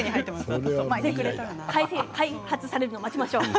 開発されるのを待ちましょう。